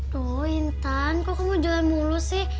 tuh intan kok kamu jualan mulu sih